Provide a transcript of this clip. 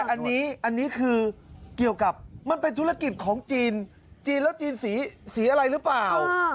อันนี้คือเกี่ยวกับมันเป็นธุรกิจของจีนจีนแล้วจีนสีอะไรหรือเปล่า